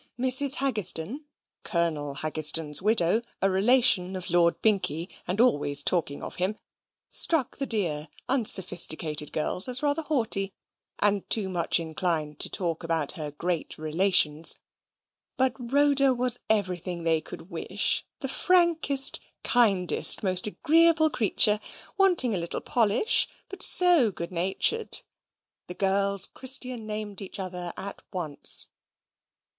Mrs. Haggistoun, Colonel Haggistoun's widow, a relation of Lord Binkie, and always talking of him, struck the dear unsophisticated girls as rather haughty, and too much inclined to talk about her great relations: but Rhoda was everything they could wish the frankest, kindest, most agreeable creature wanting a little polish, but so good natured. The girls Christian named each other at once.